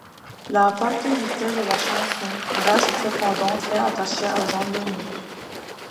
La paternité de la chanson reste cependant très attachée à John Lennon.